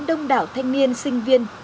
đông đảo thanh niên sinh viên